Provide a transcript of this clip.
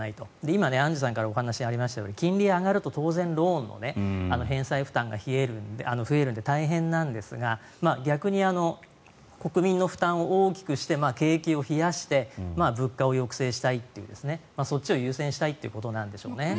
今、アンジュさんからお話がありましたように金利が上がると、当然ローンの返済負担が増えるので大変なんですが逆に国民の負担を大きくして景気を冷やして物価を抑制したいというそっちを優先したいということなんでしょうね。